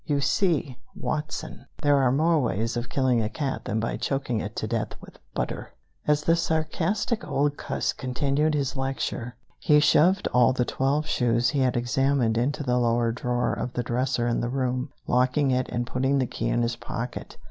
You see, Watson, there are more ways of killing a cat than by choking it to death with butter!" As the sarcastic old cuss continued his lecture, he shoved all the twelve shoes he had examined into the lower drawer of the dresser in the room, locking it and putting the key in his pocket.